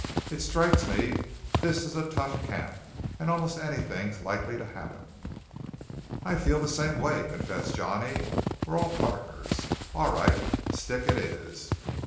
It strikes me this is a tough camp, and almost anything's likely to happen." "I feel the same way," confessed Johnny. "We're all partners. All right; 'stick' it is.